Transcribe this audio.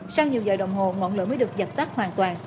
sau nhiều giờ đồng hồ ngọn lửa mới được dập tắt hoàn toàn